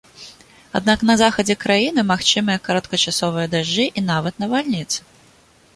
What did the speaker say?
Аднак на захадзе краіны магчымыя кароткачасовыя дажджы і нават навальніцы.